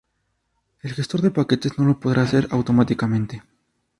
El gestor de paquetes no lo podrá hacer automáticamente.